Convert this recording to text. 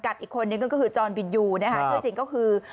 กับอีกคนนึงก็คือจอนวินยูชื่อศิลป์ก็คือ